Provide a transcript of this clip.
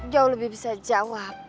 jauh lebih bisa jawab